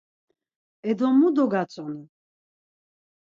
E do, mu dogatzonu?